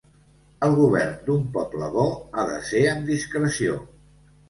El govern d'un poble bo ha de ser amb discreció.